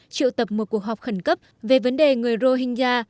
triệu tập một cuộc họp khẩn cấp về vấn đề người rohingya